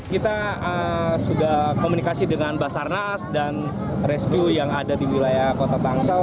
ya our sudah komunikasi dengan basarnas dan reskyu yang ada di wilayah kota bangsa